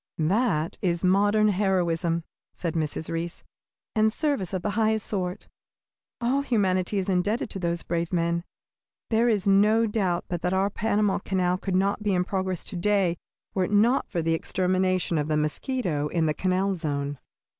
"That is modern heroism," said Mrs. Reece, "and service of the highest sort. All humanity is indebted to those brave men. There is no doubt but that our Panama Canal could not be in progress to day were it not for the extermination of the mosquito in the canal zone.